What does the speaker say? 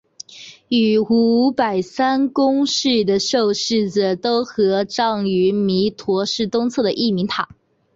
与五百三公祠的受祀者都合葬于弥陀寺东侧的义民塔。